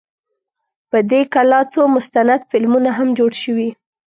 په دې کلا څو مستند فلمونه هم جوړ شوي.